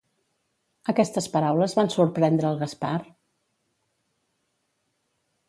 Aquestes paraules van sorprendre el Gaspar?